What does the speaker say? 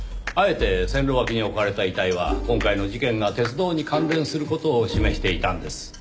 あえて線路脇に置かれた遺体は今回の事件が鉄道に関連する事を示していたんです。